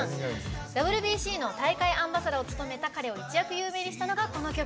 ＷＢＣの大会アンバサダーを務めた彼を一躍有名にしたのが、この曲。